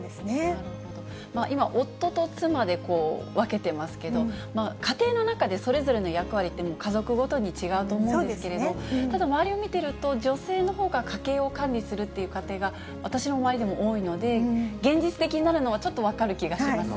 今、夫と妻で分けてますけれども、家庭の中でそれぞれの役割って家族ごとに違うと思うんですけれど、ただ、周りを見てると、女性のほうが家計を管理するという家庭が、私の周りでも多いので、現実的になるのは、ちょっと分かる気がします。